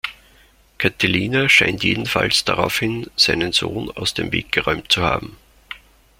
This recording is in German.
Catilina scheint jedenfalls daraufhin seinen Sohn aus dem Weg geräumt zu haben.